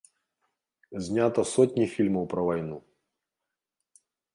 Знята сотні фільмаў пра вайну.